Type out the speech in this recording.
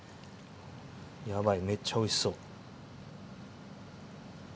やばいめっちゃおいしそう。